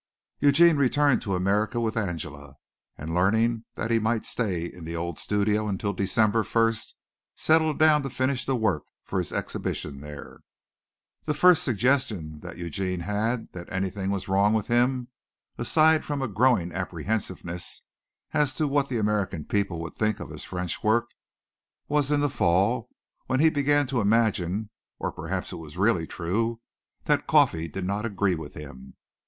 Eugene returned to America with Angela, and learning that he might stay in the old studio until December first, settled down to finish the work for his exhibition there. The first suggestion that Eugene had that anything was wrong with him, aside from a growing apprehensiveness as to what the American people would think of his French work, was in the fall, when he began to imagine or perhaps it was really true that coffee did not agree with him.